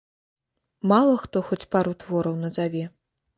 Мала хто хоць пару твораў назаве.